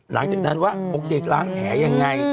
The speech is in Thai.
หลังจากนั้นว่าโอเคล้างแผลยังไง